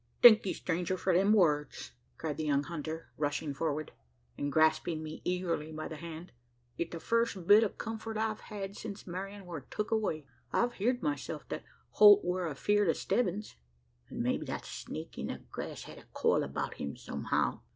"Thank ye, stranger, for them words!" cried the young hunter, rushing forward; and grasping me eagerly by the hand. "It's the first bit o' comfort I've had since Marian war tuk away! I've heerd myself that Holt war afeerd o' Stebbins; an' maybe that snake in the grass had a coil about him somehow.